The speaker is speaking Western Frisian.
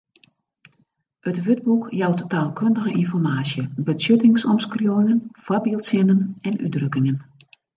It wurdboek jout taalkundige ynformaasje, betsjuttingsomskriuwingen, foarbyldsinnen en útdrukkingen.